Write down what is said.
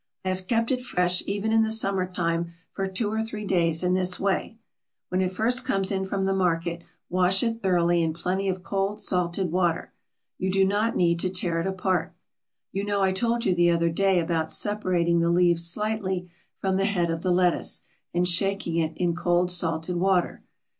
I have kept it fresh, even in the summer time, for two or three days in this way: When it first comes in from the market wash it thoroughly in plenty of cold salted water. You do not need to tear it apart. You know I told you the other day about separating the leaves slightly from the head of the lettuce and shaking it in cold salted water.